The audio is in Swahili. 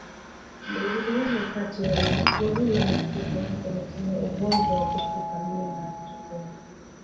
Mwingiliano kati ya wanyamapori na mifugo hupelekea ugonjwa wa kutupa mimba kutokea